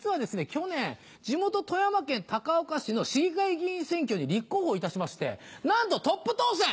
去年地元富山県高岡市の市議会議員選挙に立候補いたしましてなんとトップ当選！